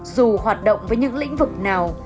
dù hoạt động với những lĩnh vực nào